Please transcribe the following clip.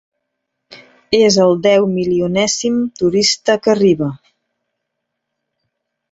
És el deu milionèsim turista que arriba.